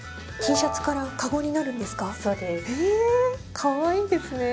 Ｔシャツからかごになるんですか？